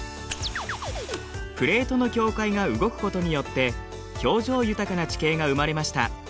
プレートの境界が動くことによって表情豊かな地形が生まれました。